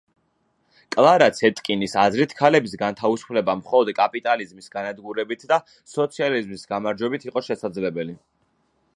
კლარა ცეტკინის აზრით ქალების განთავისუფლება მხოლოდ კაპიტალიზმის განადგურებით და სოციალიზმის გამარჯვებით იყო შესაძლებელი.